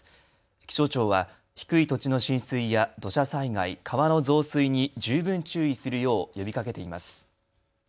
気象庁は低い土地の浸水や土砂災害、川の増水に十分注意するよう呼びかけています。